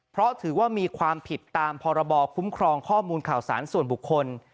เพราะถือว่ามีความผิดตามพรบคุ้มครองข้อมูลข่าวสารส่วนบุคคล